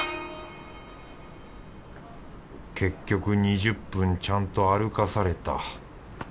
結局２０分ちゃんと歩かされた。